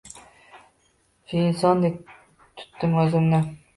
Shu insondek tutdim oʻzimni.